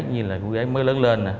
như là cô gái mới lớn lên